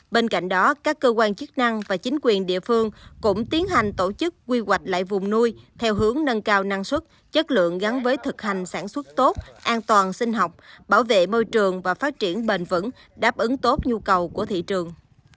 bên cạnh đó các cơ quan chức năng và chính quyền địa phương cũng tiến hành tổ chức quy hoạch lại vùng nuôi theo hướng nâng cao năng suất chất lượng gắn với thực hành sản xuất tốt an toàn sinh học bảo vệ môi trường và phát triển bền vững đáp ứng tốt nhu cầu của thị trường